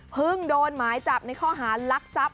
เพิ่งโดนหมายจับในข้อหารรักทรัพย์